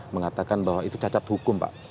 mengatakan bahwa itu cacat hukum pak